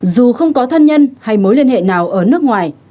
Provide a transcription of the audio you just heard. dù không có thân nhân hay mối liên hệ nào ở nước ngoài